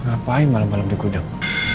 ngapain malam malam di gudang